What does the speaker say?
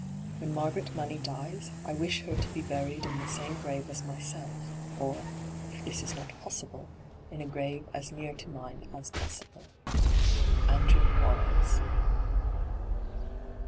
When Margaret Money dies, I wish her to be buried in the same grave as myself, or, if this is not possible, in a grave as near to mine as possible. 'Andekw Quaeles.'